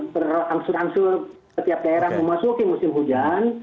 berangsur angsur setiap daerah memasuki musim hujan